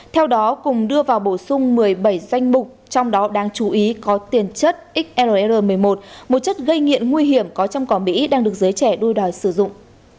theo đó cùng đưa vào bổ sung một mươi bảy danh mục trong đó đáng chú ý có tiền chất xr một mươi một một chất gây nghiện nguy hiểm có trong cỏ mỹ đang được giới trẻ đuôi đòi sử dụng